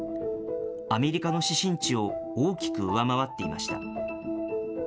アメリカの指針値を大きく上回っていました。